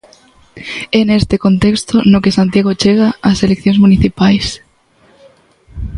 É neste contexto no que Santiago chega ás eleccións municipais.